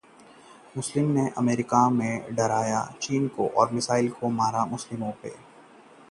America से डरा चीन, कोरियाई इलाके में किया नई मिसाइल का परीक्षण